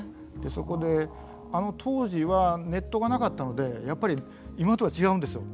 そこであの当時はネットがなかったのでやっぱり今とは違うんですよ。